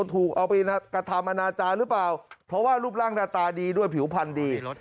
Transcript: ถูกเอาไปกระทำอนาจารย์หรือเปล่าเพราะว่ารูปร่างหน้าตาดีด้วยผิวพันธุ์ดี